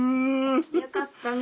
よかったね